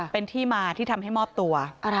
เป็นที่มาที่ทำให้มอบตัว